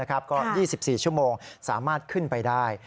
ก็๒๔ชั่วโมงสามารถขึ้นไปได้